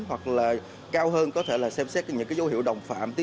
hoặc là cao hơn có thể là xem xét những dấu hiệu đồng phạm